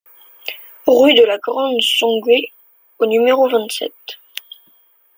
Rue de la Grande Somgué au numéro vingt-sept